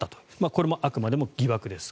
これもあくまでも疑惑です。